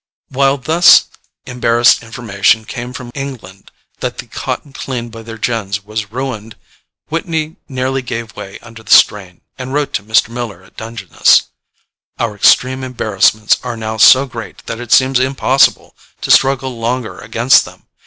While thus embarrassed information came from England that the cotton cleaned by their gins was ruined. Whitney nearly gave way under the strain, and wrote to Mr. Miller at Dungeness: "Our extreme embarrassments are now so great that it seems impossible to struggle longer against them.